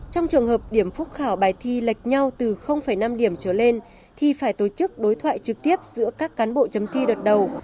trong trường hợp điểm phúc khảo bài thi lệch nhau từ năm điểm trở lên thì phải tổ chức đối thoại trực tiếp giữa các cán bộ chấm thi đợt đầu